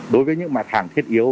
đối với những mặt hàng thiết yếu